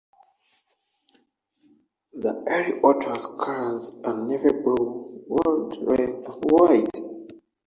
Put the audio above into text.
The Erie Otters' colors are navy blue, gold, red, and white.